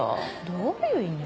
どういう意味よ。